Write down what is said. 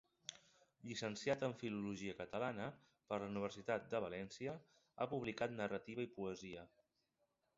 Llicenciat en Filologia Catalana per la Universitat de València, ha publicat narrativa i poesia.